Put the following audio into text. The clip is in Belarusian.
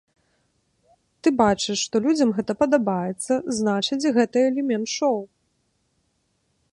Ты бачыш, што людзям гэта падабаецца, значыць, гэта элемент шоу.